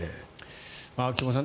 菊間さん